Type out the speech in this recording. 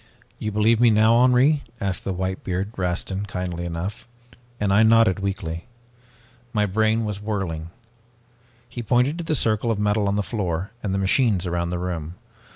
"'You believe now, Henri?' asked the whitebeard, Rastin, kindly enough, and I nodded weakly. My brain was whirling. "He pointed to the circle of metal on the floor and the machines around the room.